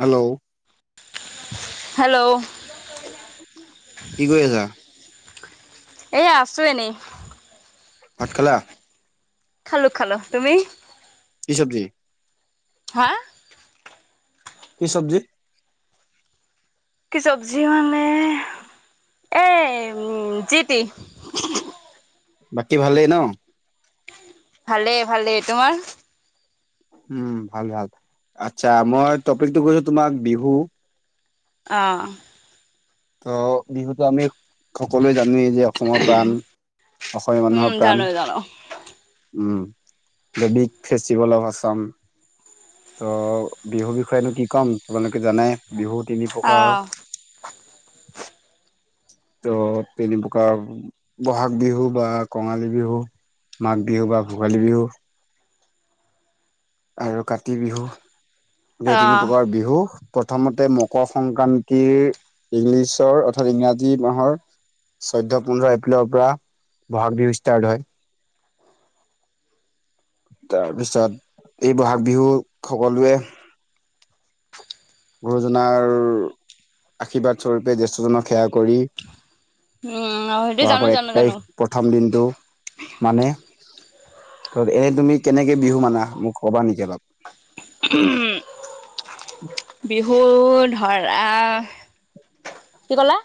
Hello. Hello. কি কৰি আছা? এয়া আছো এনেই। ভাত খালা? খালো খালো। তুমি? কি চব্জি? হা? কি চব্জি? কি চব্জি মানে, এ এম যি টি। বাকী ভালেই ন? ভালে, ভালে। তোমাৰ? উম, ভাল, ভাল। আত্চ্ছা, মই টপিকটো কৈছো তোমাক বিহু। অ। ত বিহুতো আমি সকলোৱে জানোৱেই যে অসমৰ প্ৰাণ, অসমীয়া উম মানুহৰ প্ৰাণ। জানো জানো um, the big festival of Assam. ত বিহুৰ বিষয়েনো কি ক'ম, তোমালোকে জানাই, বিহু তিনি অ প্ৰকাৰৰ। ত তিনি প্ৰকাৰ, বহাগ বিহু বা কঙালী বিহু। মাঘ বিহু বা ভোগালী বিহু। আৰু কাতি বিহু, এই তিনি অ', প্ৰকাৰৰ বিহু। প্ৰথমতে, মকৰ সংক্ৰান্তিৰ ইংলিছৰ অৰ্থাৎ ইংৰাজী মাহৰ চৈধ্য পোন্ধৰ এপ্ৰিলৰ পৰা বহাগ বিহু ষ্টাৰ্ট হয়। তাৰপিছত, এই বহাগ বিহু সকলোৱে গুৰুজনাৰ আশীৰ্বাদ স্বৰূপে জেষ্ঠজনক সেৱা কৰি উম সেইটো জানো বহাগৰ এক জানো জানো তাৰিখ প্ৰথম দিনটো মানে ত এ তুমি কেনেকে বিহু মানা মোক ক'বা নেকি অলপ? উম বিহু ধৰা কি ক'লা?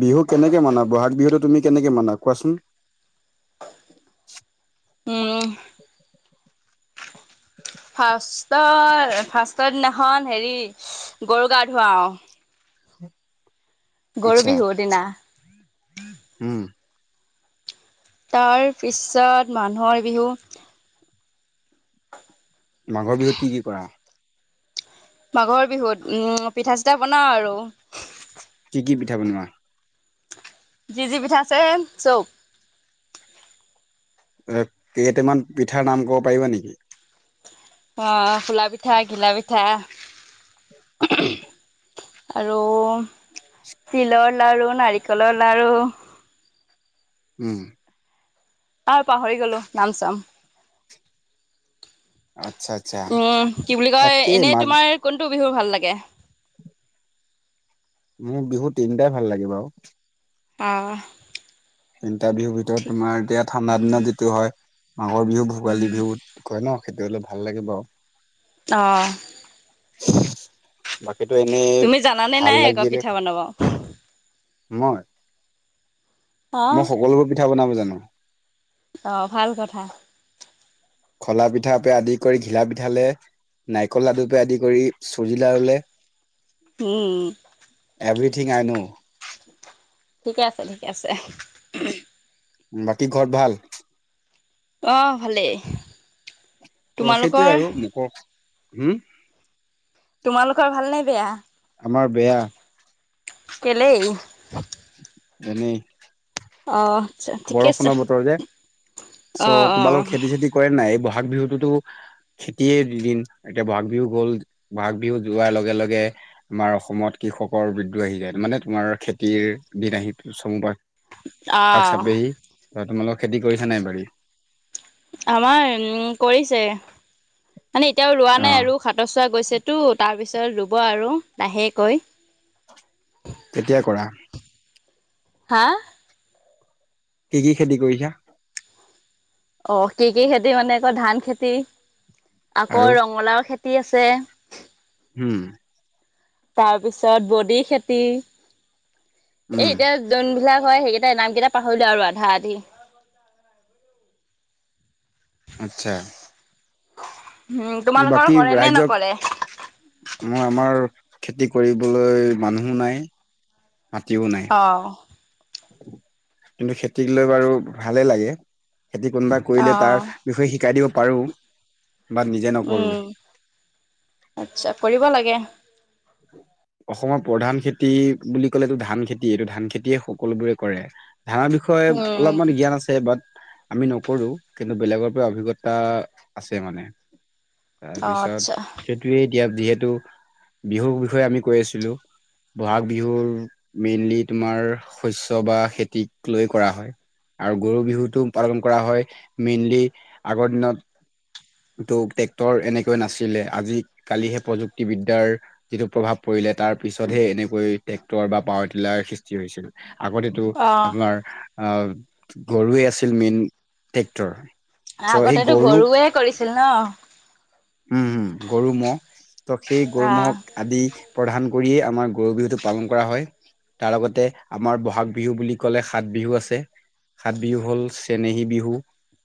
বিহু কেনেকে মানা, বহাগ বিহুটো তুমি কেনেকে মানা কোৱাচোন? উম ফাৰ্ষ্টৰ, ফাৰ্ষ্টৰ দিনাখন হেৰি, গৰু গা ধোৱাও। গৰু আচ্ছা বিহুৰ দিনা। উম। তাৰপিছত মানুহৰ বিহু। মাঘৰ বিহুত কি কি কৰা? মাঘৰ বিহুত উম, পিঠা-চিঠা বনাওঁ আৰু। কি কি পিঠা বনোৱা? যি যি পিঠা আছে, চব। এ কেইটামান পিঠাৰ নাম ক'ব পাৰিবা নেকি? অ'! ফুলা পিঠা, ঘিলা পিঠা। আৰু তিলৰ লাৰু, নাৰিকলৰ লাৰু। উম! আৰু পাহৰি গ'লোঁ, নাম-চাম। আচ্ছা আচ্ছা উম, কি বুলি কয়! তাকেই এনেই মাঘ তোমাৰ, কোনটো বিহু ভাল লাগে? মোৰ বিহু তিনিটাই ভাল লাগে বাৰু। অ'! তিনিটা বিহুৰ ভিতৰত ঠিক তোমাৰ, এতিয়া ঠাণ্ডাৰ দিনত যিটো হয়। মাঘৰ বিহুক ভোগালী বিহুত কয় ন'! সেইটো হ'লে ভাল লাগে বাৰু। অ'! [unintelligible] বাকীটো এনে, তুমি জানানে ভাল নাই আকৌ লাগিলে, পিঠা বনাব মই! অ মই সকলোবোৰ পিঠা বনাব জানোঁ। অ'! ভাল কথা। খলা পিঠা [unintelligible] আদি কৰি, ঘিলা পিঠালে। নাৰিকল লাডু [unintelligible] আদি কৰি চুজি লাৰুলে। উম! এভ্ৰিথিং আই ন'। ঠিকে আছে, ঠিকে আছে। বাকী ঘৰত ভাল? অ'! ভালে। অ''! সেইটোৱে আৰু। [unintelligible] হোঁ! তোমালোকৰ ভাল নে বেয়া? আমাৰ বেয়া। কেলেই? এনেই। অ'! আচ্ছা। ঠিকে আছে বৰষুণৰ বতৰ যে। অ চ' তোমালোক অ খেতি-চেতি কৰে নাই? ব'হাগ বিহুটোতো খেতিয়ে দুদিন, এতিয়া বহাগ বিহু গ'ল। বহাগ বিহু যোৱাৰ লগে, লগে আমাৰ অসমত কৃষকৰ বিদ্ৰোহ আহি যায়। মানে, তোমাৰ খেতিৰ দিন আহি, চমু পাই। [unintelligible] অ'! তোমালোক খেতি কৰিছে নাই বাৰী? আমাৰ উম, কৰিছে। মানে, এতিয়াও ৰোৱা অ নাই আৰু। হাতৰ চোৱা গৈছেতো, তাৰপিছত ৰোব আৰু লাহেকৈ। তেতিয়াই কৰা। হা! কি কি খেতি কৰিছা? অ'! কি কি খেতি মানে, আকৌ ধান খেতি, আকৌ আৰু ৰঙালাও খেতি আছে। উম! তাৰপিছত, বডি খেতি। এই উম এতিয়া, যোনবিলাক হয়, সেইকেইটা নাম কেইটা পাহৰিলোঁ আৰু আধা-আধি। আচ্ছা! হোঁ! তোমালোকৰ কৰে নে নকৰে? অ'! আমাৰ, খেতি কৰিবলৈ মানুহ নাই। মাটিও নাই। অ'! কিন্তু, খেতিক লৈ বাৰু ভালে লাগে। খেতি কোনোবা কৰিলে তাৰ বিশৈয়ে শিকাই দিব পাৰোঁ। বা নিজে উম, আচ্ছা কৰিব লাগে। অসমৰ প্ৰধান খেতি বুলি ক'লেটো ধান খেতি, এইটো ধান খেতিয়ে সকলোবোৰে কৰে। ধানৰ বিষয়ে উম অলপমান জ্ঞান আছে বাট আমি নকৰো, কিন্তু বেলেগৰ পৰা অভিজ্ঞতা আছে মানে। অ আচ্ছা তাৰপিছত সেইটোৱে এতিয়া যিহেতু, বিহুৰ বিষয়ে আমি কৈ আছিলো। বহাগ বিহুৰ মেইনলি তোমাৰ শস্য বা খেতিক লৈ কৰা হয়। আৰু গৰু বিহুতটো পালন কৰা হয়, মেইনলি আগৰ দিনত টো ট্ৰেক্টৰ এনেকৈ নাছিলে, আজি কালিহে প্ৰযুক্তি বিদ্যাৰ যিটো প্ৰভাৱ পৰিলে তাৰ পিছতহে এনেকৈ ট্ৰেক্টৰ বা পাৱাৰ টিলাৰ সৃষ্টি হৈছিল। আগতেটো টো অ আপোনাৰ অ', গৰুৱে আছিল মেইন ট্ৰেক্টৰ। চ' সেই আগতেটো গৰুক গৰুৱে কৰিছিল ন'? উম, হুম, গৰু ম'হ ত' সেই গৰু অ ম'হক আদি প্ৰধান কৰিয়ে আমাৰ গৰু বিহুটো পালন কৰা হয়। তাৰ লগতে আমাৰ বহাগ বিহু বুলি কলে সাত বিহু আছে। সাত বিহু হ'ল চেনেহী বিহু,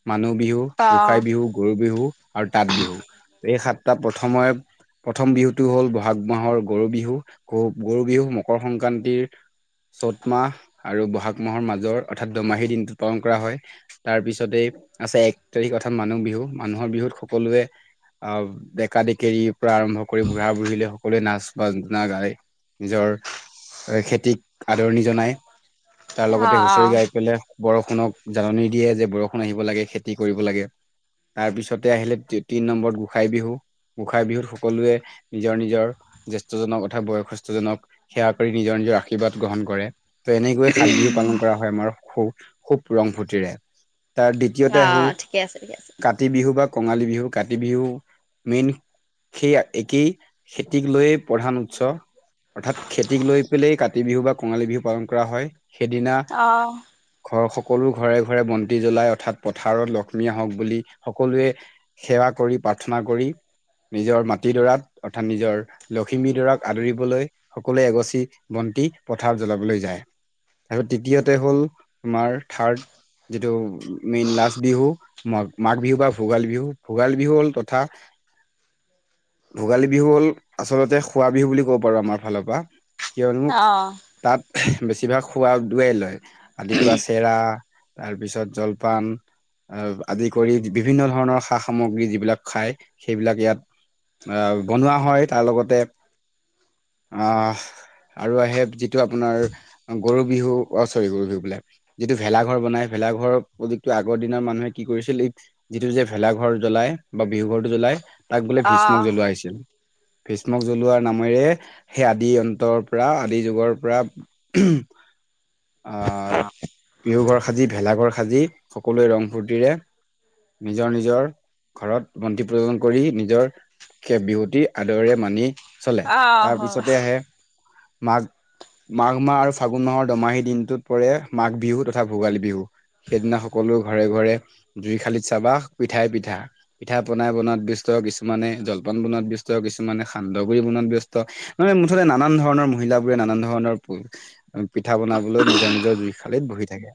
মানুহ বিহু অ গোসাই বিহু, গৰু বিহু আৰু তাঁত বিহু। [inaudible] এই সাতটা প্ৰথমে প্ৰথম বিহুটো হ'ল বহাগ মাহৰ গৰু বিহু, গ-গৰু বিহু মকৰ সংক্ৰান্তিৰ চ'ত মাহ আৰু বহাগ মাহৰ মাজৰ অৰ্থাৎ দোমাহীৰ দিনটোত পালন কৰা হয়। তাৰ পিছতেই আছে এক তাৰিখ, অৰ্থাৎ মানুহ বিহু মানুহৰ বিহুত সকলোৱে অ', দেকা-দেকেৰি পৰা আৰম্ভ কৰি বুঢ়া-বুঢ়ী লৈ সকলোৱে নাচ-বগনা গাই নিজৰ খেতিক আদৰণি জনাই। তাৰ লগতে অ', হুঁচৰি অ'। গাই পেলাই বৰষুণক জাননী দিয়ে যে বৰষুণ আহিব লাগে খেতি কৰিব লাগে। তাৰ পিছতে আহিলে তিনি নম্বৰত গোসাই বিহু। গোঁসাই বিহুত সকলোৱে নিজৰ নিজৰ জ্যেষ্ঠ জনক অথাৎ বয়সস্থ জনক সেৱা কৰি নিজৰ আৰ্শীৰ্বাদ গ্ৰহণ কৰে। ত' এনেকৈয়ে সাত বিহু পালন কৰা হয় আমাৰ খু-খুব ৰং ফূৰ্তিৰে। তাৰ দ্বিতীয়তে আহো অ', ঠিকে আছে, ঠিকে আছে। কাতি বিহু বা কঙালী বিহু কাতি বিহু মেইন সেইয়া একেই খেতিক লৈয়ে প্ৰধান উৎস। অৰ্থাৎ খেতিক লৈ পেলাই কাতি বিহু বা কঙালী বিহু পালন কৰা হয়, সেইদিনা অ', ঘৰ সকলো ঘৰে ঘৰে বন্তি জ্বলাই অৰ্থাৎ পথাৰত লক্ষ্মী আহক বুলি সকলোৱে সেৱা কৰি প্ৰাৰ্থনা কৰি নিজৰ মাটিডৰাক অৰ্থাৎ নিজৰ লখিমীডৰাক আদৰিবলৈ সকলোৱে এগছি বন্তি পথাৰ জ্বলাবলৈ যায়। আৰু তৃতীয়তে হ'ল তোমাৰ থাৰ্ড যিটো মেইন লাষ্ট বিহুৰ মাঘ মাঘ বিহুৰ বা ভোগালী বিহু, ভোগালী বিহুৰ হ'ল তথা ভোগালী বিহুৰ হ'ল আচলতে খোৱা বিহুৰ বুলি ক'ব পাৰোঁ আমাৰ ফালৰ পৰা। কিয়নো অ', তাত বেছিভাগ খোৱাাদ দোৱাই লয় আদিৰ পৰা চেৰা তাৰ পিছত জলপান আদি কৰি বিভিন্ন ধৰণৰ সা-সামগ্ৰী যিবিলাক খাই সেইবিলাক ইয়াত আহ, বনোৱা হয় তাৰ লগতে অঁ আৰু আহে যিটো আপোনাৰ গৰু বিহু অ চৰি গৰু বিহু বুলে যিটো ভেলাঘৰ বনাই ভেলাঘৰৰ প্ৰযুক্তটো আগৰ দিনৰ মানুহে কি কৰিছিল এই যিটো যে ভেলাঘৰ জ্বলাই বা বিহু ঘৰটো জ্বলাই তাক বোলে অ', ভীষ্মক জ্বলোৱা হৈছিল ভ্ৰীষ্মক জ্বলোৱা নামেৰে সেই আদি অন্তৰ পৰা আদি যুগৰ পৰা [inaudible] বিহুৰ ঘৰ সাজি ভেলাঘৰ সাজি সকলোৱে ৰং ফূৰ্তিৰে নিজৰ নিজৰ ঘৰত বন্তি প্ৰদজন কৰি নিজৰ শেষ বিহুতি আদৰেৰে মানি চলে অ', তাৰপিছতে আহে মাক মাঘ মাহ আৰু ফাগুন মাহৰ দমাহী দিনটোত পৰে মাঘ বিহু তথা ভোগালী বিহু সেইদিনা সকলো ঘৰে ঘৰে জুই খালীত চাবা পিঠাই পিঠা পিঠা পনাই বনোৱাত ব্যস্ত কিছুমানে জলপান বনোৱাত ব্যস্ত কিছুমানে সান্দগুৰি বনাত ব্যস্ত মুঠতে নানান মহিলা বোৰে নানা ধৰণ প পিঠা বনাবলৈ নিজৰ নিজৰ জুইশালিত বহি থাকে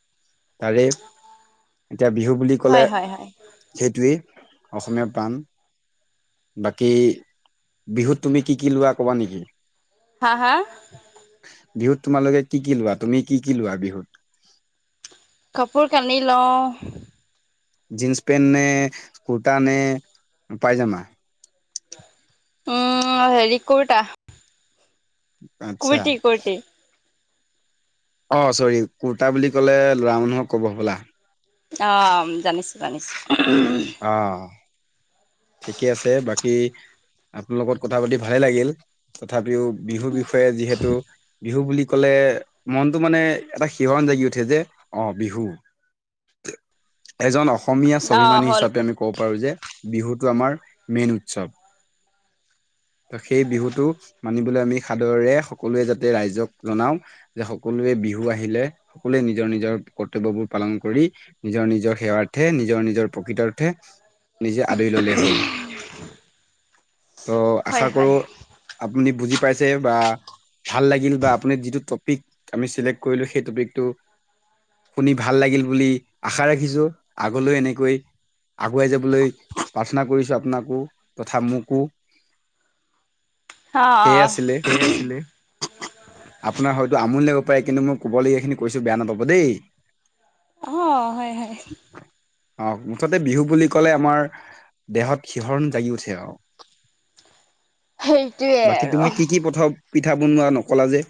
তাৰে এতিয়া বিহু বুলি ক'লে হয় হয় হয় সেইটোৱেই অসমীয়া প্ৰাণ বাকী বিহুত তুমি কি কি লোৱা ক'বা নেকি হা- হা? বিহুত তোমালোকে কি- কি লোৱা, তুমি কি কি লোৱা বিহুত? কাপোৰ কানি লওঁ। জীনছ পেণ্ট নে কুৰ্তা নে প্যায়জমা? উম, হেৰি কুৰটা। আচ্ছা। কুৰ্টি- কুৰ্তি। অঁ, চৰি কুৰ্তা বুলি ক'লে, ল'ৰা মানুহক কব হবলা। অ, জানিছোঁ- জানিছোঁ। অ। ঠিকে আছে, বাকী আপোনাৰ লগত কথা পাতি ভালে লাগিল। তথাপিও বিহু- বিহু বিষয়ে যিহেতু বিহু বুলি ক'লে মনটো, মানে এটা শিহৰন জাগি উঠে যে অ, বিহু এজন অসমীয়া অ', স্বাভিমানী হ'ল, হিচাপে আমি কব পাৰো যে, বিহুত টো আমাৰ মেইন উৎসৱ। ত, সেই বিহুতটো মানিবলৈ আমি সাদৰেৰে সকলোৱে যাতে ৰাইজক জনাও। যে, সকলোৱে বিহু আহিলে সকলোৱে নিজৰ নিজৰ কৰ্তব্যবোৰ পালন কৰি নিজৰ- নিজৰ সেৱাৰ্থে, নিজৰ- নিজৰ প্ৰকৃতাৰ্থে নিজে আদৰি ললে হল। অ, ত' আশা হয়, কৰো হয়, আপুনি বুজি পাইছে বা ভাল লাগিল বা আপুনি যিটো টপিক আমি চিলেক্ট কৰিলো। সেই টপিকটো শুনি ভাল লাগিল বুলি আশা ৰাখিছো। আগলৈ এনেকৈ আগুৱাই যাবলৈ প্ৰাৰ্থনা কৰিছোঁ আপোনাকো। তথা মোকো অ- সেয়ে অ। আছিলে আপোনাৰ হয়তো আমনি লাগিব পাৰে। কিন্তু মোৰ কবলগীয়াখিনি কৈছো বেয়া নাপাব দেই। অঁ, হয়- হয়। অ, মুঠতে বিহু বুলি কলে আমাৰ দেহত শিহৰণ জাগি উঠে আৰু। সেইটোৱে বাকী আৰু। তুমি কি কি প্ৰথ পিঠা বনোৱা নকলা যে?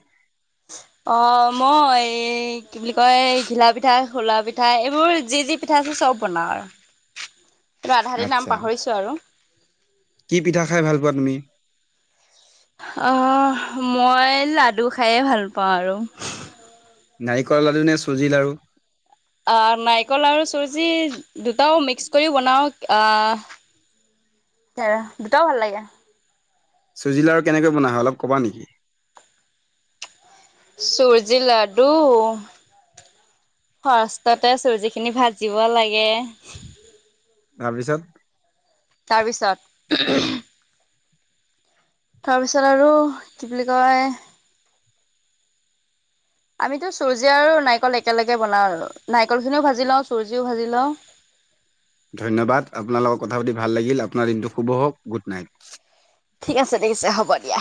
অ মই এই কি বুলি কয়, ঘিলা পিঠা, খলা পিঠা, এইবোৰ যি যি পিঠা আছে চব বনাওঁ আৰু। [inaudible] আধা আধি নাম আচ্ছা পাহৰিছো আৰু। কি পিঠা খাই ভাল পোৱা তুমি? আহ মই লাডু খায়ে ভাল পাওঁ আৰু। নাৰিকলৰ লাডু নে চুজি লাৰু? আহ নাৰিকল আৰু চুজি দুটাও মিক্স কৰিও বনাওঁ আহ দুটাও ভাল লাগে। চুজিলা আৰু কেনেকৈ বনায় হয়, অলপ কবা নেকি? চুজি লাডু ফাৰ্ষ্টততে চুজি খিনি ভাজিব লাগে তাৰপিছত? তাৰপিছত? তাৰপিছত আৰু কি বুলি কয় আমিতো চুজি আৰু নাৰিকল একেলগে বনাওঁ আৰু। নাৰিকল খিনিও ভাজি লওঁ, চুজিও ভাজি লওঁ। ধন্যবাদ! আপোনাৰ লগত কথা পাতি ভাল লাগিল। আপোনাৰ দিনটো শুভ হওঁক। Good night. ঠিক আছে, ঠিক আছে হ'ব দিয়া।